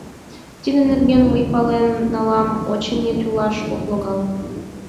— Тидын нерген мый пален налам, очыни, тӱлаш ок логал...